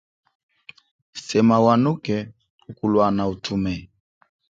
Sema wanuke ukulwana utume.